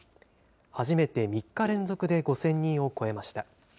初めて３日連続で５０００人を超えました。